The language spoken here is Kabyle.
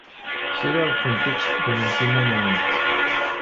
Sriɣ-kent ad tḥekmemt iman-nwent.